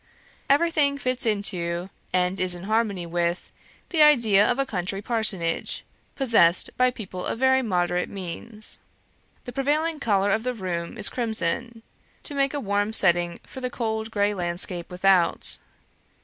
Everything fits into, and is in harmony with, the idea of a country parsonage, possessed by people of very moderate means. The prevailing colour of the room is crimson, to make a warm setting for the cold grey landscape without.